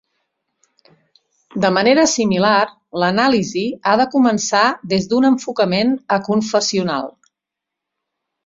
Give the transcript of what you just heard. De manera similar, l'anàlisi ha de començar des d'un enfocament aconfessional.